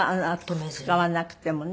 使わなくてもね。